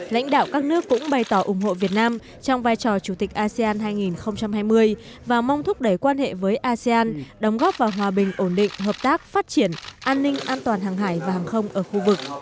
lãnh đạo các nước cũng bày tỏ ủng hộ việt nam trong vai trò chủ tịch asean hai nghìn hai mươi và mong thúc đẩy quan hệ với asean đóng góp vào hòa bình ổn định hợp tác phát triển an ninh an toàn hàng hải và hàng không ở khu vực